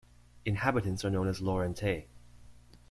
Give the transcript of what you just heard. Inhabitants are known as "Laurentais".